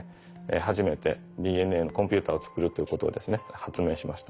初めてＤＮＡのコンピューターを作るということを発明しました。